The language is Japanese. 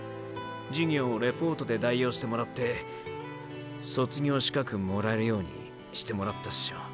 授業レポートで代用してもらって卒業資格もらえるようにしてもらったショ。